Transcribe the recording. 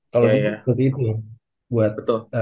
kalau seperti itu buat